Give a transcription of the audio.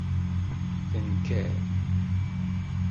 Tenker.